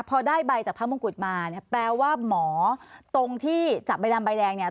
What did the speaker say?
พอได้ใบจากพระมงกุฎมาเนี่ยแปลว่าหมอตรงที่จับใบดำใบแดงเนี่ย